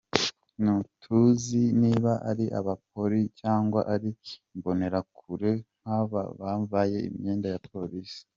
Ntituzi niba ari Abapoli cyangwa ari Imbonerakure kuko baba bambaye imyenda ya Polisi.